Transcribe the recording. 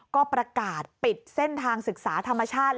ก็ประกาศปิดเส้นทางศึกษาธรรมชาติ